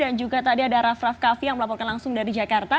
dan juga tadi ada raff raff kaffi yang melaporkan langsung dari jakarta